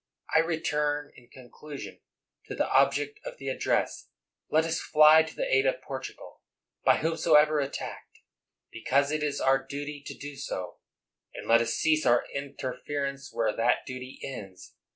I return, in conclusion, to the object of the address. Let us fly to the aid of Portugal, by whomsoever attacked, because it is our duty to do SO; and let us cease our interference where that duty ends.